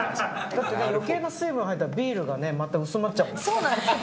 よけいな水分入ったら、ビールがね、また薄まっちゃうもんね。